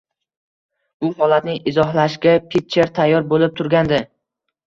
Bu holatni izohlashga Pitcher tayyor bo`lib turgandi